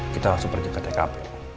kita langsung pergi ke tkp